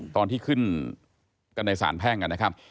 ตอนที่ขึ้นกันในศาลแพ่งกัน